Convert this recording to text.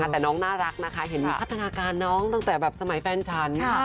แต่น้องน่ารักนะคะเห็นพัฒนาการน้องตั้งแต่แบบสมัยแฟนฉัน